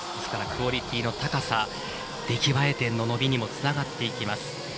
クオリティーの高さ出来栄え点の伸びにもつながっていきます。